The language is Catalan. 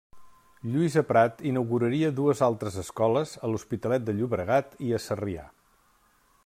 Lluïsa Prat inauguraria dues altres escoles, a l'Hospitalet de Llobregat i a Sarrià.